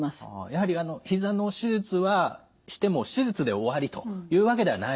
やはりひざの手術はしても手術で終わりというわけではないわけですね。